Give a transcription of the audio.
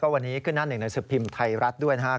วันนี้ขึ้นหน้าหนึ่งหนังสือพิมพ์ไทยรัฐด้วยนะครับ